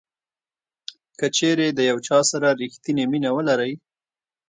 کچیرې د یو چا سره ریښتینې مینه ولرئ.